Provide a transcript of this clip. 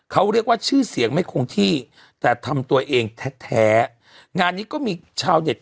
เขาเรียกว่าชื่อเสียงไม่คงที่แต่ทำตัวเองแท้แท้งานนี้ก็มีชาวเด็ด